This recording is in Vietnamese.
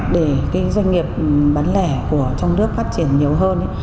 để doanh nghiệp bán lẻ trong nước phát triển nhiều hơn